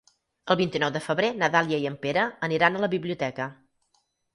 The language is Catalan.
El vint-i-nou de febrer na Dàlia i en Pere aniran a la biblioteca.